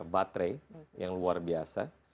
baterai yang luar biasa